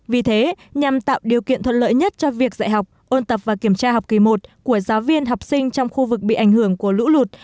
vì thế nhằm tạo điều kiện thuận lợi nhất cho việc dạy học ôn tập và kiểm tra học kỳ một của giáo viên học sinh trong khu vực bị ảnh hưởng của lũ lụt